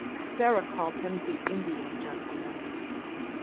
Sara called him the Indian Gentleman.